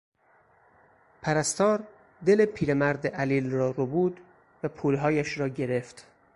پرستار دل پیرمرد علیل را ربود و پولهایش را گرفت.